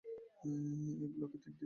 এই ব্লকে তিনটি থানা রয়েছে।